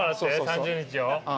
３０日を？